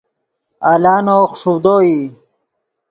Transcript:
الانو خوݰوڤدو ای